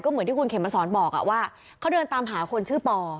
เหมือนที่คุณเข็มมาสอนบอกว่าเขาเดินตามหาคนชื่อปอ